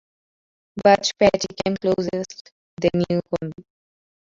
Budge Patty came closest, then Newcombe.